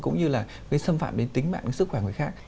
cũng như là gây xâm phạm đến tính mạng sức khỏe người khác